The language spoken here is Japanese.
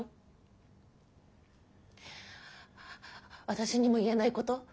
私にも言えないこと？